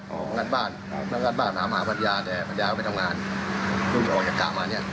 มังงัดบ้านอ๋อมังงัดบ้านถามหาภรรยาแต่ภรรยาเขาไปทำงาน